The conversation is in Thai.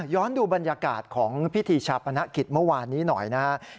ดูบรรยากาศของพิธีชาปนกิจเมื่อวานนี้หน่อยนะครับ